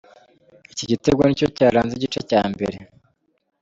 iki gitego nicyo cyaranze igice cya mbere.